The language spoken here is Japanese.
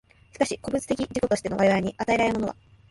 しかし個物的自己としての我々に与えられるものは、